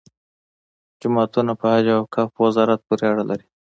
جوماتونه په حج او اوقافو وزارت پورې اړه لري.